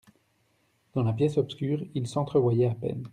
Dans la pièce obscure, ils s'entrevoyaient à peine.